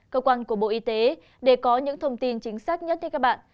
cơ quan của bộ y tế để có những thông tin chính xác nhất thưa các bạn